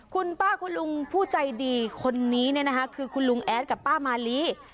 คุณป้าคุณลุงผู้ใจดีคนนี้เนี่ยนะคะคือคุณลุงแอดกับป้ามาลี